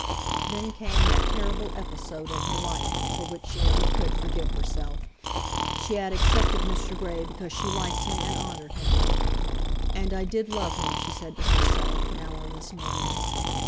Then came that terrible episode in her life for which she never could forgive herself. She had accepted Mr. Grey because she liked him and honoured him. "And I did love him," she said to herself, now on this morning.